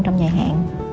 trong dài hạn